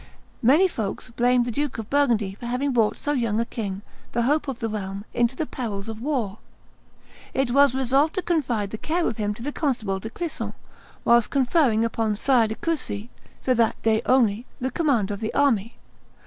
Many folks blamed the Duke of Burgundy for having brought so young a king, the hope of the realm, into the perils of war. It was resolved to confide the care of him to the constable de Clisson, whilst conferring upon Sire de Coucy, for that day only, the command of the army.